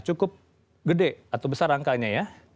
cukup gede atau besar angkanya ya